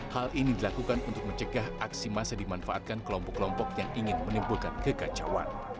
hal ini dilakukan untuk mencegah aksi masa dimanfaatkan kelompok kelompok yang ingin menimbulkan kekacauan